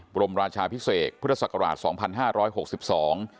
บรมราชาพิเศษพุทธศักราชสองพันห้าร้อยหกสิบสอง